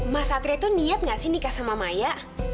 mas satria itu niat gak sih nikah sama maya